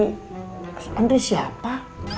kak andri siapa